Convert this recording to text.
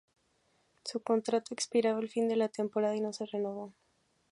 Su contrato expiraba al final de la temporada y no se renovó.